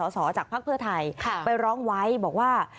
สอจากภาคเผื้อไทยไปร้องไว้บอกว่า